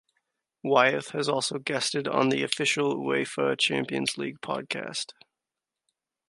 Wyeth has also guested on the official Uefa Champions league podcast.